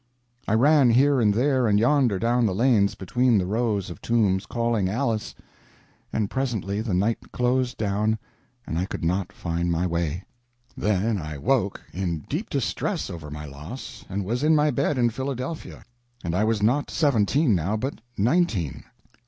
I ran here and there and yonder down the lanes between the rows of tombs, calling Alice; and presently the night closed down, and I could not find my way. Then I woke, in deep distress over my loss, and was in my bed in Philadelphia. And I was not seventeen, now, but nineteen.